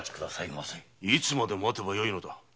いつまで待てばよいのだ。